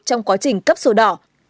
trong quá trình cấp sổ đỏ